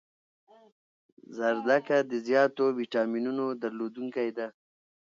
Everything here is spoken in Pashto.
زردکه د زیاتو ویټامینونو درلودنکی ده